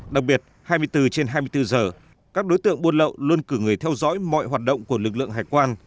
đặc biệt hai mươi bốn trên hai mươi bốn giờ các đối tượng buôn lậu luôn cử người theo dõi mọi hoạt động của lực lượng hải quan